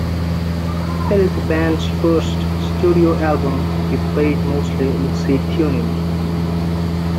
It is the band's first studio album to be played mostly in C tuning.